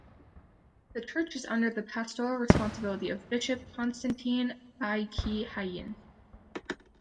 The church is under the pastoral responsibility of bishop Constantine Bae Ki-hyen.